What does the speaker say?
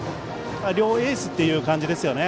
両エースという感じですね。